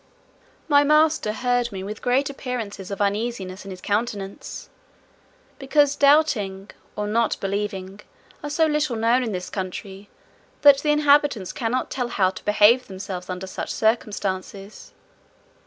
My master heard me with great appearances of uneasiness in his countenance; because doubting, or not believing, are so little known in this country, that the inhabitants cannot tell how to behave themselves under such circumstances.